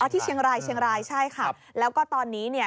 ที่เชียงรายใช่ครับแล้วก็ตอนนี้เนี่ย